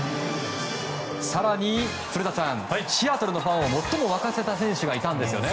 更に、古田さんシアトルのファンを最も沸かせた選手がいたんですよね。